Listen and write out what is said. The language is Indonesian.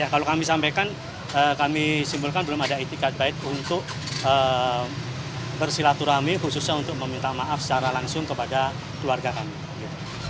kalau kami sampaikan kami simpulkan belum ada etikat baik untuk bersilaturahmi khususnya untuk meminta maaf secara langsung kepada keluarga kami